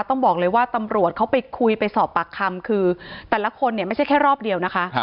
ต้องบอกเลยว่าตำรวจเขาไปคุยไปสอบปากคำคือแต่ละคนเนี่ยไม่ใช่แค่รอบเดียวนะคะ